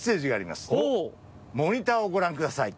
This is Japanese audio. モニターをご覧ください。